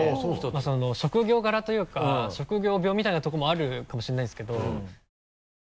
職業柄というか職業病みたいなとこもあるかもしれないんですけど。